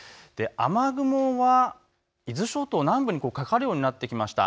雨雲は伊豆諸島南部にかかるようになってきました。